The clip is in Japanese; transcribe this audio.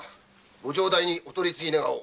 ご城代にお取り次ぎ願おう。